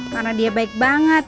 karena dia baik banget